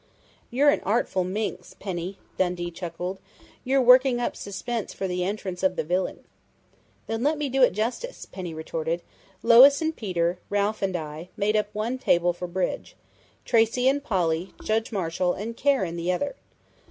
"You're an artful minx, Penny!" Dundee chuckled. "You're working up suspense for the entrance of the villain!" "Then let me do it justice," Penny retorted. "Lois and Peter, Ralph and I, made up one table for bridge; Tracey and Polly, Judge Marshall and Karen the other.